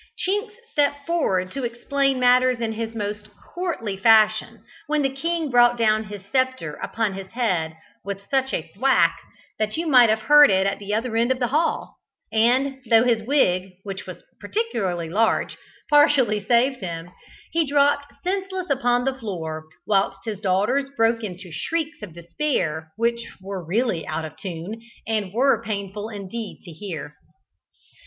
Chinks stepped forward to explain matters in his most courtly fashion, when the king brought down his sceptre upon his head with such a "thwack," that you might have heard it at the other end of the hall, and, though his wig, which was particularly large, partially saved him, he dropped senseless upon the floor, whilst his daughters broke into shrieks of despair which were really out of tune, and were painful indeed to hear.